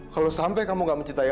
kalau sampai kamu gak mencintai